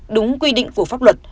đúng quy định của pháp luật